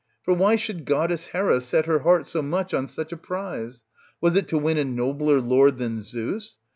For why should goddess Hera set her heart so much on such a prize ? Was it to win a nobler lord than Zeus